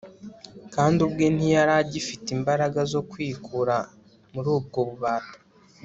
kandi ubwe ntiyari agifite imbaraga zo kwikura muri ubwo bubata